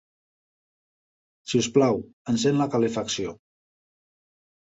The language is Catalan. Si us plau, encén la calefacció.